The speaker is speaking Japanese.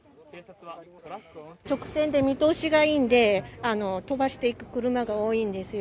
直線で見通しがいいんで、飛ばしていく車が多いんですよ。